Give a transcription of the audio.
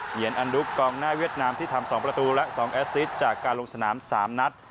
ียนอันดุฟกองหน้าเวียดนามที่ทำ๒ประตูและ๒แอสซิตจากการลงสนาม๓นัด